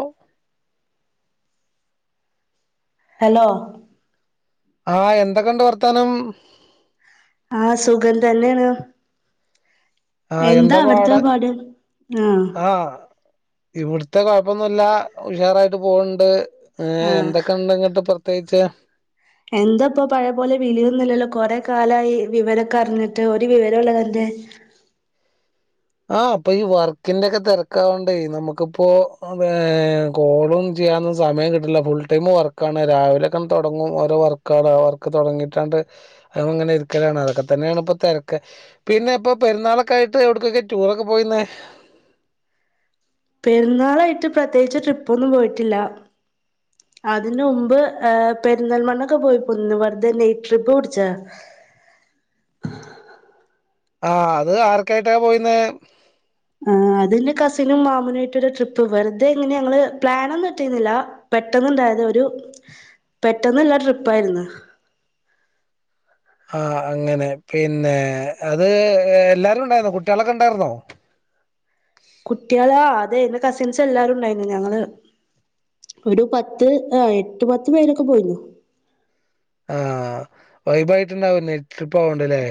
ഓ hello ആ എന്തൊക്കെണ്ട് വർത്താനം ആ സുഖം തന്നെയാണ് ആഹ് എന്താ പാട് അവിടത്തെപാട് ആ ഇവിടത്തെ കുഴപ്പൊന്നുമില്ല ഉഷാറായിട്ട് പോണ്ട് ഏ ആഹ് എന്തൊക്കെ ഉണ്ടങ്ങിട്ട് പ്ര തേകിച്ച് എന്തപ്പൊ പഴെപോലെ വിളിയൊന്നില്ലല്ലോ കൊറെ കാലമായി വിവരൊക്കെ അറിഞ്ഞിട്ട് ഒരു വിവരില്ല തന്റെ ആ അപ്പൊ ഈ വർക്കിന്റൊക്കെ തിരക്കായൊണ്ടേ നമുക്കിപ്പോ കോളും ചെയ്യാനൊന്നും സമയം കിട്ടിണില്ല ഫുൾ ടൈം വർക്കാണ് രാവിലെ ഒക്കെ തുടങ്ങും ഓരോ വർക്കാള് വർക്ക് തുടങ്ങിയിട്ടാണ്ട് അങ്ങനെരിക്കലാണ് അതൊക്കെ തന്നെയാണ് ഇപ്പോ തിരക്ക് പിന്നെ ഇപ്പൊ പെരുന്നാളൊക്കെ ആയിട്ട് എവിടക്കൊക്കെ ടൂറൊക്കെ പോയിരുന്നേ പെരുന്നാളായിട്ട് പ്രത്യേകിച്ച് ട്രിപ്പൊന്നും പോയിട്ടില്ല അതിന് മുമ്പ് ഏ പെരുന്തൽമണ്ണയ്ക്ക് പോയി പോന്ന് വെറുതെ നയ്റ്റ് ട്രിപ്പ് പിടിച്ചതാ ആ അത് ആർക്കായിട്ടാ പോയിന്നെ ആ അതെന്റെ കസിനും മാമനുംമായിട്ട്ട് ട്രിപ്പ് വെറുതെ ഇങ്ങനെ ഞങ്ങള് പ്ലനൊന്നും ഇട്ടിരുന്നില്ല പെട്ടെന്ന് ഇണ്ടായതാ ഒരു പെട്ടന്നുള്ള ട്രിപ്പായിരുന്നു ആ അങ്ങനെ പിന്നെ അത് എല്ലാരും ഉണ്ടായിരുന്നോ കുട്ടികളൊക്കെ ഉണ്ടായിരുന്നോ കുട്ടികളാ അതെ എന്റെ കസിൻസ് എല്ലാരും ഉണ്ടായിരുന്നു ഞങ്ങള് ഒരു പത്ത് ആ എട്ടു പത്ത് പേരൊക്കെ പോയിരുന്നു ആഹ വൈബായിട്ടുണ്ടാവുല്ലേ ട്രിപ്പ് ആവണ്ടല്ലേ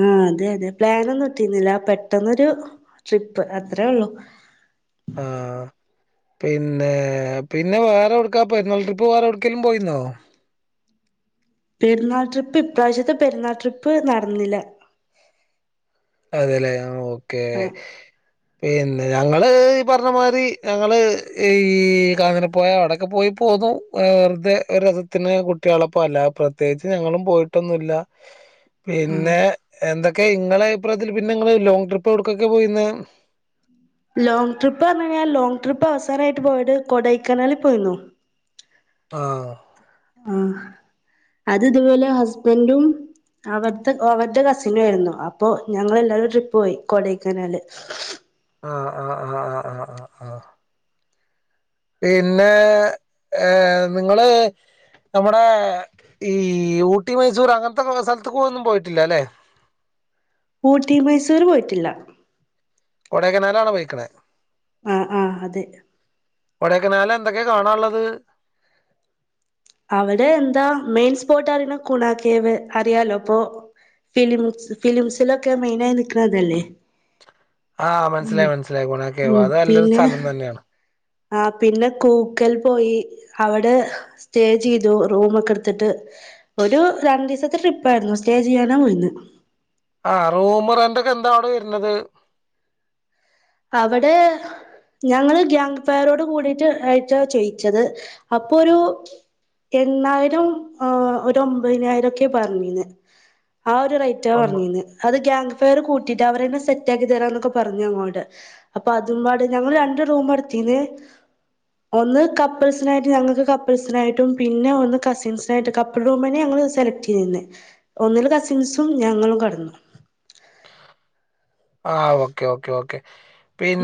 ആ അതെ അതെ പ്ലനൊന്നും ഇട്ടിരുന്നില്ല പെട്ടെന്നൊരു ട്രിപ്പ് അത്രേ ഉള്ളു ആ പിന്നെ പിന്നെ വേറെ എവിടുക്കാ പെരുന്നാൾ ട്രിപ്പ് വേറെ എവിടുക്കേലും പോയിരുന്നോ പെരുന്നാൾ ട്രിപ്പ് ഇപ്രാവശ്യത്തെ പെരുന്നാൾ ട്രിപ്പ് നടന്നില്ല അതെല്ലെ ആ ഓ ഓക്കേ ആഹ് പിന്നെ ഞങ്ങള് ഈ പറഞ്ഞ മാതിരി ഞങ്ങള് ഈ കാഞ്ഞരപോയ അവിടൊക്കെ പോയി പോന്നു വെറുതെ രസത്തിന് കുട്ടികളപ്പം അല്ലാതെ പ്രത്യേകിച്ച് ഞങ്ങളും പോയിട്ടൊന്നുമില്ല പിന്നെ എന്തൊ ക്കെ ഇങ്ങളെ അഭിപ്രായത്തിൽ പിന്നെ നിങ്ങള് ലോങ് ട്രിപ്പ് എവിടുകൊക്കെയാ പോയിരുന്നെ ലോങ് ട്രിപ്പ് പറഞ്ഞു കഴിഞ്ഞാൽ ലോങ്ങ് ട്രിപ്പ് അവസാനായിട്ട് പോയത് കൊടൈക്കനാലിൽ പോയിരുന്നു ആ ആ അത് ഇതുപോലെ ഹസ്ബൻറ്റും അവട്ത്തെ ഒവര്ടെ കസിനായിരുന്നു അപ്പൊ ഞങ്ങെല്ലാരും ട്രിപ്പ് പോയി കൊടൈക്കനാല് ആ ആ ആ ആ ആ ആ ആഹ് പിന്നെ ഏ നിങ്ങള് നമ്മടെ ഈ ഊട്ടി മൈസൂര് അങ്ങനത്തെ കൊറേസ്ഥലത്തുക്കൊഒന്നും പോയിട്ടില്ലാലെ ഊട്ടി മൈസൂര് പോയിട്ടില്ല കൊടൈക്കനാലാണോ പൊയ്ക്കണേ ആഹ് ആഹ് അതെ കൊടൈക്കനാലെ ന്തൊക്കെ കാണാൻള്ളത് അവിടെ എന്താ മെയിൻ സ്പോട്ടാ അറിയണ കുണാക്കെവേ അറിയാലോ അപ്പൊ ഫിലിംസ് ഫിലിംസിലൊക്കെ മെയ്നായി നിക്കണതെല്ലേ ആഹ് മനസ്സിലായി മനസ്സിലായി ഗുണക്കെവ അത് നല്ലൊരു പിന്നെ സ്ഥലം തന്നെയാണ് ആ പിന്നെ കൂക്കൽ പോയി അവിടെ സ്റ്റേ ചെയ്തു റൂമൊക്കെ എടുത്തിട്ട് ഒരു രണ്ടിസത്തെ ട്രിപ്പായിരുന്നു സ്റ്റേ ചെയാന്നെപ്പോയത് ആ റൂമ് റെന്റ് ഒക്കെ എന്താ അവിടെ വരുന്നത് ഇവടെ ഞങ്ങള് ഗ്യാങ്ഫയറോട്കൂടിട്ട് ആയിട്ടാ ചെയ്യിച്ചത് അപ്പൊരൂ എണ്ണായിരം ആഹ് ഒരു ഒമ്പയ്നായിരൊക്കെ പറഞ്ഞിന്നെ ആ ഒരു റൈറ്റാ പറഞ്ഞിന്ന് അത് ഗ്യാങ്ഫയറ് കൂട്ടിട്ട് അവരയ്മെ സെറ്റാക്കി തരാന്നൊക്കെ പറഞ്ഞങ്ങോട് അപ്പം അതുംപാട് ഞങ്ങള് രണ്ട്റൂമ എടുത്തീന്ന് ഒന്ന് കപ്പിൾസിനായിട്ട് ഞങ്ങക്ക് കപ്പിൾസിനായിട്ടും പിന്നെ ഒന്ന് കസിൻസായിട്ട് കപ്പിൾ റൂമന്നേ ഞങ്ങള് സെലക്റ്റെയ്യ്ന്നെ ഒന്നില് കസിൻസും ഞങ്ങളും കെടന്നു ആ ഓക്കെ ഓക്കെ ഓക്കെ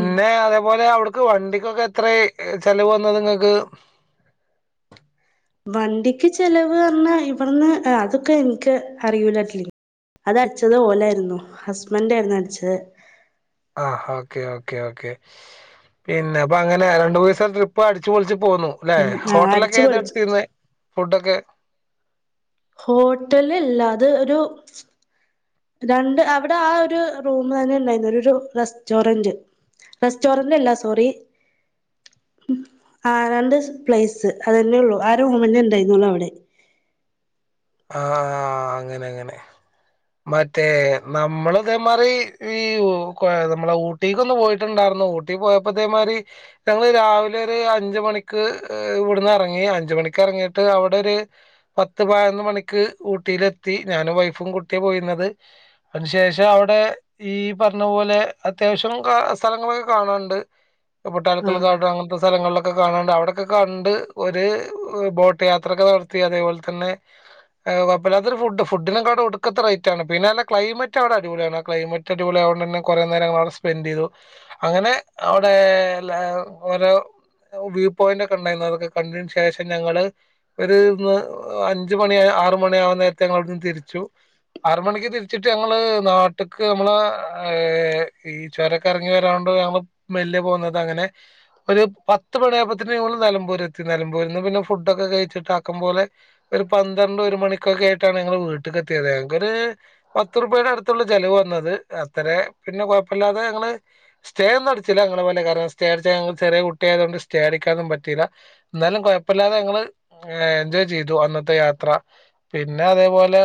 ഉം അതേപോലെ അവ ക്ക് വണ്ടിക്കൊക്കെ എത്രയ് ചെലവ് വന്ന് നിങ്ങക്ക് വണ്ടിക്ക് ചെലവ് പറഞ്ഞാ ഇവട്ന്ന് ഏഹ് അതൊക്കെ എൻക്ക് അറിയൂലാക്ക്‌ അതടിച്ചത് ഓലായിരുന്നു ഹസ്ബന്റായിരുന്നു അടിച്ചത് ആ ഓക്കേ ഓക്കേ ഓക്കേ പിന്നെ അപ്പൊ അങ്ങനെ രണ്ട്മൂനീസം ട്രിപ്പ് അടിച്ച്പൊളിച്ച് പോന്നു ലെ ഉം ആ ഹോട്ടലൊക്കെ അടിച്ചു പൊളിച്ചു ഏതെടുത്തിന്നെ ഫുഡൊക്കെ ഹോട്ടലല്ല അത് ഒരു രണ്ട് അവിടെ ആ ഒരു റൂം തന്നെ ഉണ്ടായിരുന്നു ഒരു റെസ്റ്റോറന്റ് റെസ്റ്റോറന്റ് അല്ല സോറി ആരണ്ട്സ് പ്ലേസ് അതെന്നെഒള്ളു ആറൂമന്നേ ഉണ്ടായിരുന്നൊള്ളു അവടെ ആ ആ ഹ് അങ്ങനങ്ങനെ മറ്റേ നമ്മളും ഇതേമാറി വിവോ കൊ നമ്മളെ ഊട്ടിക്കൊന്ന് പോയിട്ടുണ്ടാർന്നു ഊട്ടിപോയപ്പോ ഇതേമാരി ഞങ്ങള് രാവിലൊര് അഞ്ച്മണിക്ക് ഇഹ് ഇവിടുന്ന് ഇറങ്ങി അഞ്ച്മണിക്ക് ഇറങ്ങിട്ട് അവിടൊര് പത്ത് പയ്ന്ന്മണി ക്ക് ഊട്ടിയിലെത്തി ഞാനും വൈഫും കുട്ടിയപോയിന്നത് അത്ശേഷം അവടെ ഈപറഞ്ഞ പോലെ അത്യാവശ്യം കാ സ്ഥലങ്ങളൊക്കെ കാണാണ്ട് ആ അപ്പൊട്ടാലക്കൽ ഗാർഡ് അങ്ങൻത്തെ സ്ഥലങ്ങള ക്കെകാണാണ്ട് അവടൊക്കെ കണ്ട് ഒര് ബോട്ട് യാത്രൊക്കെ നടത്തി അതേപോലെതന്നെ ഏഹ് വപ്പിലാത്തൊരുഫുഡ് ഫുഡിനൊക്കെ അവിടെ ഒടുക്കത്ത റൈറ്റാണ് പിന്നെഎന ക്ലൈമറ്റ്ണ് അടിപൊളിയാണ് ആക്ലൈമറ്റ് അടിപൊളിആയോണ്ടെന്നെ കൊറേ നേരം ഞങ്ങളവിടെ സ്പെൻഡെയ്തു അങ്ങനെ അവിടെ എല്ലാ ഓരോ വ്യൂ പോയിന്റ്ഒക്കെ ഉണ്ടായിരുന്നു അതൊക്കെ കണ്ടയ്ന്ശേഷം ഞങ്ങള് ഒര് ന്ന് അഞ്ച്മണി ആ റ് മണിയാകുന്നനേരത്ത് ഞങ്ങളട്ന്ന് തിരിച്ചു ആറ്മണിക്ക് തിരിച്ചിട്ട് ഞങ്ങള് ന്നാട്ട്ക്ക് നമ്മളെ ഏഹ് ഈ ചൊരൊക്കെ എറങ്ങിവരോണ്ട് ഞങ്ങൾ മെല്ലേ പോന്നത് അങ്ങനെ ഒരു പത്ത് മണിആയപ്പത്തിന് ഞങ്ങള് ന്നെലമ്പൂരെത്തി ന്നലമ്പൂരിന്ന് പിന്നെ ഫുഡൊക്കെകഴിച്ചിട്ടാക്കം പോലെ ഒരു പന്ദ്ര ണ്ട് ഒരുമണിക്കൊക്കെ ആയിട്ടാണ് ഞങ്ങള് വീട്ട്ക്ക് എത്തിയത് ഞങ്ങ്ക്കൊര് പത്തുർപ്പെടഅടുത്തുള്ളൂ ചെലവ് വന്നത് അത്രെ പിന്നെ കുഴപ്പില്ലാതെ ഞങ്ങള് സ്റ്റേ ഒന്നും അടിച്ചില ഞങ്ങളെ പോലെ കാരണം സ്റ്റേ അടിച്ചാ ഞങ്ങള് ചെറിയ കുട്ടിആയതോണ്ട് സ്റ്റേ അടിക്കാനൊന്നും പറ്റില എന്നാലും കൊയപ്പല്ലാതെ ഞങ്ങള് ഏഹ് എൻജോയ് ചെയ്തു അന്നത്തെ യാത്ര പിന്നെ അതേപോലെ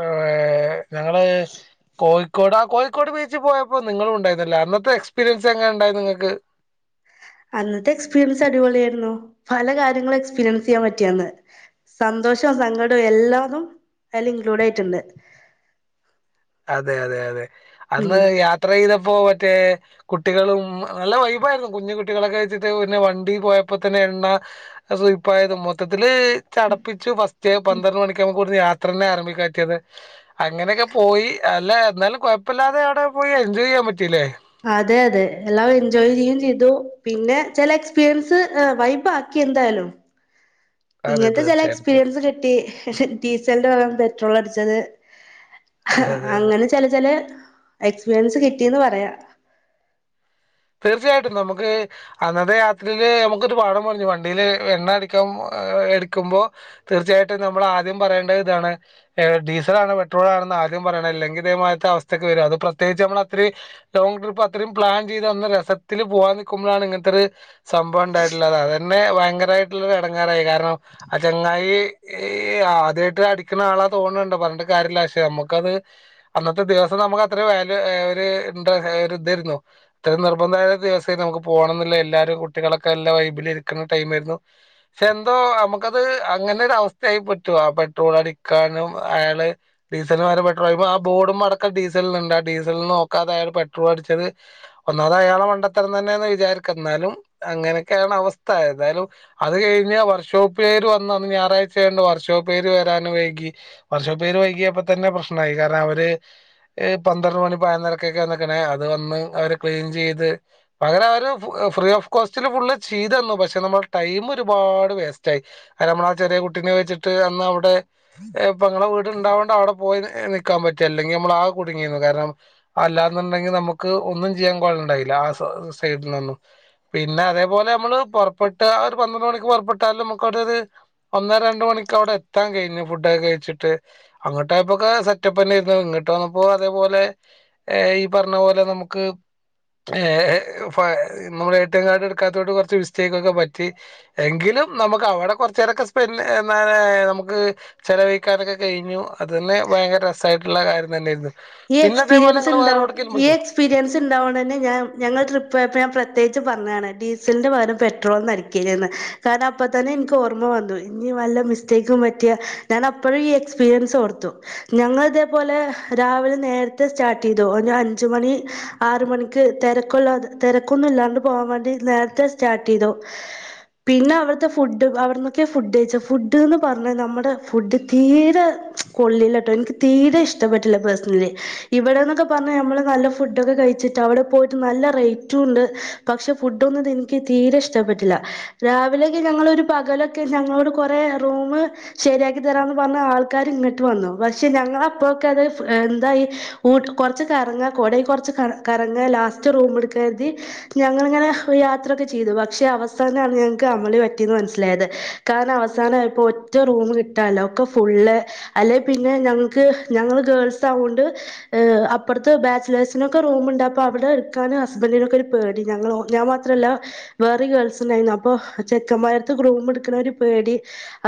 ഏഹ് ഞങ്ങള് കോയിക്കോടാ കോഴിക്കോട് ബീച്ചി പോയപ്പോ നിങ്ങളും ഉണ്ടായിരുന്നല്ല അന്നത്തെ എക്സ്പീരിയൻസ് എങ്ങനുണ്ടായിരുന്നു നിങ്ങക്ക് അന്നത്തെ എക്സ്പീരിയൻസ് അടിപൊളിയായിരുന്നു പല കാര്യങ്ങളും എക്സ്പീരിയൻസ് ചെയ്യാൻ പറ്റിയന്ന് സന്തോഷോം സങ്കടോം എല്ലാതും അയ്ല് ഇൻക്ലൂഡായിട്ടുണ്ട് അതെ അതെ അതെ അന്ന് യാത്രയ്തപ്പോ റ്റേ കുട്ടികളും നല്ലവൈബായിരുന്നു കുഞ്ഞു കുട്ടികളൊക്കെ വച്ചിട്ട് പിന്നെ വണ്ടി പോയപ്പോ തന്നെ എണ്ണ സുയ്പ്പായതും മൊത്തത്തിൽ ല് ചടപ്പിച്ചു ഫസ്റ്റേ പന്ത്രണ്ട് മണിക്ക് നമക്ക്ഇവിടന്ന് യാ ത്രന്നെ ആരഭിക്കറ്റിയത് അങ്ങനൊക്കെ പോയി അല്ലേ എന്നാലും കുയപ്പല്ലാതെ ആടെ പോയി എൻജോയ് ചെയ്യാൻ പറ്റില്ലേ അതെ അതെ എല്ലാം എൻജോയ് ചെയ്യുചെയ്തു പിന്നെ ചെല എക്സ്പീരിയൻസ് ഏഹ് വൈബാക്കി എന്തായാലും അതെ ഇങ്ങൻത്തെ ചില തീർച്ചയായിട്ടും എക്സ്പീരിയൻസ് തീർച്ചയായിട്ടും. കിട്ടി ഡീസലിന്റെ ഭാഗം പെട്രോൾ അടിച്ചത് അതെ അതെ അതെ അങ്ങനെ ചില ചില എക്സ്പീരിയൻസ് കി ട്ടിന്ന് പറയാം. തീർച്ചയായിട്ടും നമുക്ക് അന്നത്തെ യാത്രയിൽ നമുക്കൊരു പാഠം പറഞ്ഞു വണ്ടിൽ എണ്ണ അടിക്കാൻ എടുക്കുമ്പോൾ തീർച്ചയായിട്ടും നമ്മൾ ആദ്യം പറയേണ്ടത് ഇതാണ് ഡീസൽ ആണോ പെട്രോൾ ആണോന്ന് ആദ്യം പറയണം അല്ലെങ്കിൽ ഇതേമാതിരിത്തെ അവസ്ഥക്ക് വരും അത് പ്രത്യേകിച്ച് നമ്മൾ അത്രയും ലോങ് ട്രിപ്പ് അത്രയും പ്ലാൻ ചെയത അന്ന് രസത്തിൽ പോവാൻ നിൽക്കുമ്പോഴാണ് ഇങ്ങനത്തെ ഒരു സംഭവം ഉണ്ടായിട്ടുള്ളത് അതന്നെ ഭയങ്കരമായിട്ടുള്ള ഒരു ഇടങ്ങാരായി കാരണം ആ ചെങ്ങായി ആദ്യമായിട്ട് അടിക്കുന്ന ആളാ തോന്നുണണ്ടോ പറഞ്ഞിട്ട് കാര്യമല്ല പക്ഷേ നമുക്കത് അന്നത്തെ ദിവസം നമുക്ക് അത്ര വാല്യൂ ഒരു എന്താ ഇ ഇതായിരുന്നു ഇത്രയും നിർബന്ധമായ ദിവസമായി നമുക്ക് പോകണമെന്നുള്ള എല്ലാരും കുട്ടികളൊക്കെ എല്ലാം വൈബിൽ ഇരിക്കുന്ന ടൈം ആയിരുന്നു പക്ഷേ എന്തോ നമുക്കത് അങ്ങനെ ഒരു അവസ്ഥയായി പറ്റോ ആ പെട്രോൾ അടിക്കാനും അയാള് ഡീസലു മാറി പെട്രോൾ ആ ബോർഡും അടക്കം ഡീസലന്നുണ്ട് ആ ഡീസലന്ന് നോക്കാതെ അയാൾ പെട്രോൾ അടിച്ചത്. ഒന്നാത് അയാളുടെ മണ്ടത്തരം തന്നെയന്ന് വിചാരിക്ക എന്നാലും അങ്ങനൊക്കെയാണ് അവസ്ഥ എതാ യാലും അത് കഴിഞ്ഞ് വർക്ക്ഷോപ്പ് കാര് വന്ന് അന്ന് ഞായറാഴ്ചയണ്ട് വർക്ക്ഷോപ്പ് കാര് വരാൻ വൈകി വർക്ക്ഷോപ്പ് കാര് വൈകിയപ്പോ തന്നെ പ്രശ്നമായി കാരണം അവര് പന്ത്രണ്ട് മണി പെയിനൊന്നര ക്കൊക്കെയാണ് അത് വന്ന് അവര് ക്ലീൻ ചെയ്ത് പകരം അവര് ഫ്രീ ഓഫ് കോസ്റ്റില് ഫുള്ള് ചെയ്ത് തന്നു പക്ഷേ നമ്മളുടെ ടൈം ഒരുപാട് വേസ്റ്റ് ആയി കാരണം നമ്മൾ ആ ചെറിയ കുട്ടീനെ വെച്ചിട്ട് അന്ന് അവിടെ പെങ്ങളുടെ വീട്ഉണ്ടായകൊണ്ട് അവിടെ പോയി നൽക്കാൻ പറ്റി അല്ലെങ്കിൽ നമ്മൾ ആകെ കുടുങ്ങികാരണം അല്ലാന്നുണ്ടെങ്കിൽ നമുക്ക് ഒന്നും. [unintelligible] കൊള്ളണ്ടായില്ല ആ സൈഡിൽന്നും പിന്നെ അതേപോലെ നമ്മള് പുറപ്പെട്ട് ആ ഒരു പന്ത്രണ്ട് മണിക്ക് പുറപ്പെട്ടാലും നമുക്ക് അവിടെ ഒരു ഒന്നോ രണ്ടു മണിക്ക് അവിടെ എത്താൻ കഴിഞ്ഞു. ഫുഡൊക്കെ കഴിച്ചിട്ട് അങ്ങോട്ടയപ്പോക്കെ സെറ്റപ്പ് തന്നെ ഇരുന്നു ഇങ്ങോട്ട് വന്നപ്പോ അതേപോലെ ഈ പറഞ്ഞ പോലെ നമുക്ക് ഏ നമ്മൾ എടി എം കാർഡ് എടുക്കാത്തോട്ട് കുറച്ച് മിസ്റ്റേക്ക് ഒക്കെ പറ്റി എങ്കിലും നമുക്ക് അവിടെ കുറച്ച് നേരൊക്കെ സ്പെൻഡ് എന്ത നമുക്ക് ചെലവഴിക്കാനൊക്കെ കഴിഞ്ഞു അത് തന്നെ ഭയങ്കര രസമായിട്ടുള്ള കാര്യം തന്നെയായിരുന്നു. ഈ പിന്നെ അതേപോലെ എക്സ്പീരിയൻസ് നിങ്ങൾ ഉണ്ടോ വേറെ എവിടേക്കെങ്കിലും ഈ പോയിക്കോ എക്സ്പീരിയൻസ് ഉണ്ടാവന്നെ ഞാ ഞങ്ങൾ ട്രിപ്പ് പോയപ്പോ ഞാൻ പ്രത്യേകിച്ച് പറഞ്ഞതാണ് ഡീസലിന്റെ പകരം പെട്രോൾന്ന് അടിക്കരുതെന്ന് കാരണം അപ്പ തന്നെ എനിക്ക് ഓർമ്മ വന്നു ഇനി വല്ല മിസ്റ്റേക്കും പറ്റിയാ ഞാൻ അപ്പഴും ഈ എക്സ്പീരിയൻസ് ഓർത്തു ഞങ്ങള് ഇതേപോലെ രാവിലെ നേരത്തെ സ്റ്റാർട്ട് ചെയ്തു അഞ്ച്മണി ആറ് മണിക്ക് തിരക്കുള്ളാ തിരക്കൊന്നും ഇല്ലാണ്ട് പോകാൻ വേണ്ടി നേരത്തെ സ്റ്റാർട്ട് ചെയ്തു പിന്നെ അവിടുത്തെ ഫുഡ് അവിടെന്നൊക്കെ ഫുഡ് കഴിച്ചെ ഫുഡ് എന്ന് പറഞ്ഞ നമ്മുടെ ഫുഡ് തീരെ കൊള്ളില്ലട്ടോ എനിക്ക് തീരെ ഇഷ്ടപ്പെട്ടി ല്ല പേഴ്സണലി ഇവിടെന്നൊക്കെ പറഞ്ഞ നമ്മള് നല്ല ഫുഡൊക്കെ കഴിച്ചിട്ട് അവിടെ പോയിട്ട് നല്ല റേറ്റും ഉണ്ട് പക്ഷെ ഫുഡ്‌ ഒന്നും എനിക്ക് തീരെ ഇഷ്ടപ്പെട്ടില്ല രാവിലെയക്കെ ഞങ്ങള് ഒരു പകലൊക്കെ ഞങ്ങളോട് കൊറെ റൂമ് ശരിയാക്കി തരാമെന്ന് പറഞ്ഞ് ആൾക്കാർ ഇങ്ങോട്ട് വന്നു പക്ഷെ ഞങ്ങള് അപ്പോക്കെ അത് എന്താ ഈ കുറച്ച് കറങ്ങാ കോടക് കുറച്ച് കറങ്ങാ ലാസ്റ്റ് റുമ് എടുക്കരുതി ഞങ്ങളിങ്ങനെ യാത്രയക്കെ ചെയ്തു പക്ഷെ അവസാനാണ് ഞങ്ങൾക്ക് അമ്മളി പറ്റിയന്ന് മനസ്സിലായത് കാരണം അവസാനപ്പോൾ ഒറ്റ റൂം കിട്ടനില്ല ഒക്കെ ഫുള്ള് അല്ലെ പിന്നെ ഞങ്ങൾക്ക് ഞങ്ങൾ ഗേൾ ണ്ട് ഏ് അപ്പറത്തെ ബാച്ച്ലേഴ്‌ സിനൊക്കെ റൂമുണ്ട് അപ്പോ അവിടെ എടുക്കാന് ഹസ്‌ബെൻഡിനൊക്കെ ഒരു പേടി ഞങ്ങ ഞാൻ മാത്രല്ല വേറെ ഗേൾസ് ഉണ്ടായിരുന്നു അപ്പോ ചെക്കന്മാരത്ത് റൂം എടുക്കണ ഒരു പേടി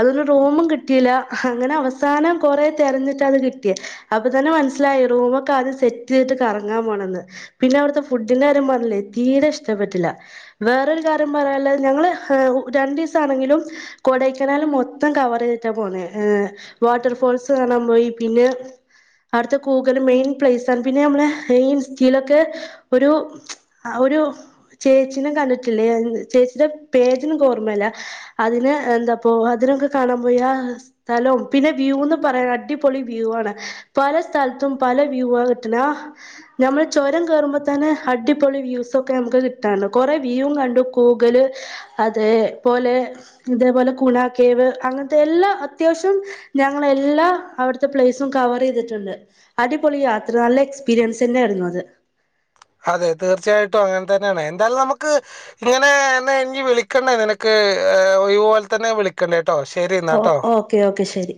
അതൊരു റൂമും കിട്ടിയില്ല അങ്ങനെ അവസാനം കൊറെ തിരഞ്ഞിട്ടാണ് കിട്ടിയേ. അപ്പോ തന്നെ മനസ്സിലായി റൂമൊക്കെ ആദ്യം സെറ്റ് ചെയ്തിട്ട് കറങ്ങാൻ പോണന്ന് പിന്നെ അവിടുത്തെ ഫുഡിന്റെ കാര്യം പറഞ്ഞില്ലേ തീരെ ഇഷ്ടപ്പെട്ടില്ല വേറൊരു കാര്യം പറയാനുള്ളത് ഞങ്ങള് രണ്ടു ദിവസ ആണെങ്കിലും കൊടൈക്കനാൽ മൊത്തം കവർ ചെയ്തിട്ടാ പോന്നെ വാട്ടർ ഫാൾസ് കാണാൻ പോയി പിന്നെ അവിടുത്തെ കൂഗല് മെയിൻ പ്ലേസ് ആണ് പിന്നെ നമ്മളെ മെയിൻ ഇൻ സ്റ്റീയിലൊക്കെ ഒരു ഒരു ചേച്ചീടെ പേജ് കണ്ടിട്ടില്ലേ ചേച്ചിയുടെ പേജിനിക്ക് ഓർമ്മയില്ല അതിന് എന്താപ്പ അതിനൊക്കെ കാണാൻ പോയി ആ സ്ഥലം പിന്നെ വ്യൂന്ന് പറയാൻ അടിപൊളി വ്യൂ ആണ്. പല സ്ഥലത്തും പല വ്യൂ ആ കിട്ടുന്ന ആ ഞമ്മള് ചുരം കേയറുമ്പോ തന്നെ അടിപൊളി വ്യൂസൊക്കെ നമുക്ക് കിട്ടാനാണ് കുറെ വ്യൂ കണ്ടു കൂഗല് അതേപോലെ ഇതേപോലെ ഗുണാ കേവ് അങ്ങനത്തെ എല്ലാ അത്യാവശ്യം ഞങ്ങള് എല്ലാ അവിടുത്തെ പ്ലേസും കവർ ചെയ്തി ണ്ട് അടിപൊളി യാത്ര നല്ല എക്സ്പീരിയൻസ് തന്നെ ആയിരുന്നു അത്. അതെ തീർച്ചയായിട്ടും അങ്ങനെ തന്നെയാണ് എന്തായാലും നമുക്ക് ഇങ്ങനെ എന്നെ ഇനി വിളിക്കണ്ടേ നിനക്ക് ഇതുപോലെ തന്നെ വിളിക്കണ്ടേ. കേട്ടോ ശരി എന്നാ ഓ കേട്ടോ ഓക്കെ ഓക്കെ ശരി.